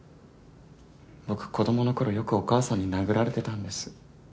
僕子供の頃よくお母さんに殴られてたんです